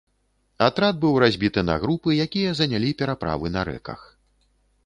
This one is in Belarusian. Атрад быў разбіты на групы, якія занялі пераправы на рэках.